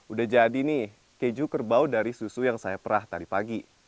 udah jadi nih keju kerbau dari susu yang saya perah tadi pagi